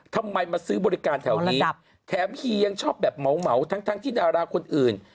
ทำไมมาซื้อบริการแถวนี้แถมเฮียยังชอบแบบเหมาทั้งที่ดาราคนอื่น